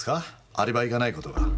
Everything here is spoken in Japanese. アリバイがない事が。